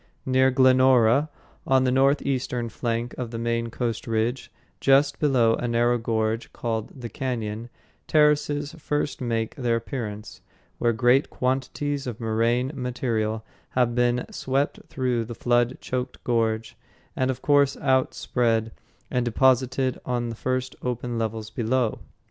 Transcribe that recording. Near Glenora, on the northeastern flank of the main Coast Range, just below a narrow gorge called "The Cañon," terraces first make their appearance, where great quantities of moraine material have been swept through the flood choked gorge and of course outspread and deposited on the first open levels below.